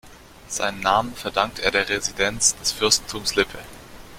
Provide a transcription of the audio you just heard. Seinen Namen verdankt er der Residenz des Fürstentums Lippe.